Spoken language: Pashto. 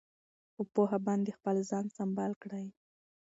په پوهه باندې خپل ځان سمبال کړئ.